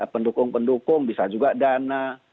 pendukung pendukung bisa juga dana